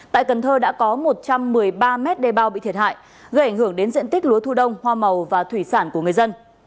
tại cần thơ đã có một trăm một mươi ba mét đê bao bị thiệt hại gây ảnh hưởng đến diện tích lúa thu đông hoa màu và thủy sản của người dân